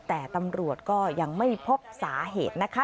แต่ตำรวจก็ยังไม่พบสาเหตุนะคะ